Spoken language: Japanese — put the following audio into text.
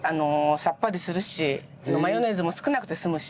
さっぱりするしマヨネーズも少なくて済むし。